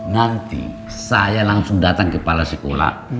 nanti saya langsung dateng ke kepala sekolah